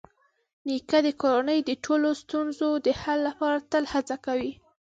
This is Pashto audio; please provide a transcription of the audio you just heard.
نیکه د کورنۍ د ټولو ستونزو د حل لپاره تل هڅه کوي.